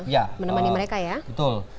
ya menemani mereka ya betul